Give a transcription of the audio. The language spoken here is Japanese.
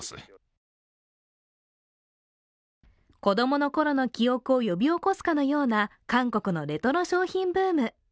子供のころの記憶を呼び起こすかのような韓国のレトロ商品ブーム。